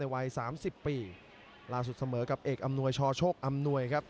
ในวัย๓๐ปีล่าสุดเสมอกับเอกอำนวยช่อชกอำนวยครับ